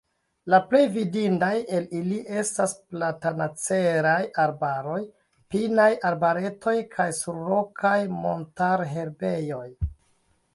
La plej vidindaj el ili estas platanaceraj arbaroj, pinaj arbaretoj kaj surrokaj montarherbejoj.